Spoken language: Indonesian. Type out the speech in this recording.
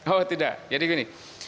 oh tidak jadi gini